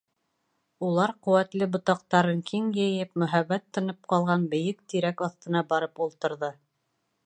Улар ҡеүәтле ботаҡтарын киң йәйеп, мөһабәт тынып ҡалған бейек тирәк аҫтына барып ултырҙы.